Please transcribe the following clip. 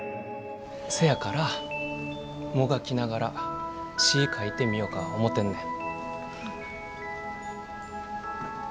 せやからもがきながら詩ぃ書いてみよか思てんねん。